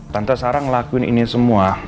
tante sarah ngelakuin ini semua